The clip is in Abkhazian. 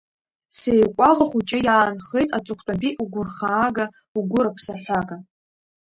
Сеикәаӷа хәыҷы, иаанхеит аҵыхәтәантәи угәырхаага, угәырыԥсаҳәага.